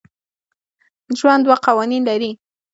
ژوند دوه قوانین لري.